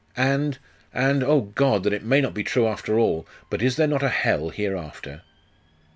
And and, oh, God! that it may not be true after all! but is there not a hell hereafter?